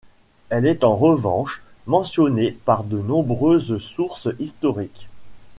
Elle est en revanche mentionnée par de nombreuses sources historiques.